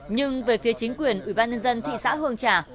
nhưng về phía chính quyền ủy ban nhân dân thị xã hương trà